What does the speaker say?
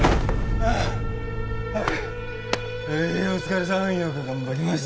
あっ。